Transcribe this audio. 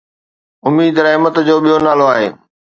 اميد رحمت جو ٻيو نالو آهي